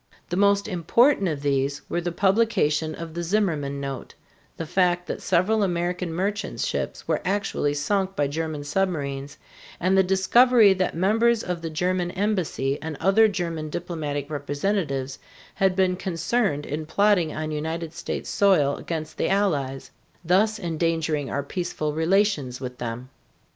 The most important of these were the publication of the Zimmerman note, the fact that several American merchant ships were actually sunk by German submarines, and the discovery that members of the German embassy and other German diplomatic representatives had been concerned in plotting on United States soil against the Allies, thus endangering our peaceful relations with them.